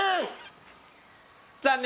残念！